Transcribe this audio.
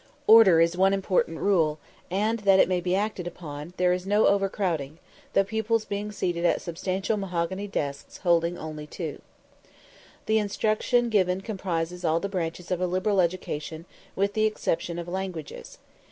Order is one important rule, and, that it may be acted upon, there is no overcrowding the pupils being seated at substantial mahogany desks only holding two. The instruction given comprises all the branches of a liberal education, with the exception of languages.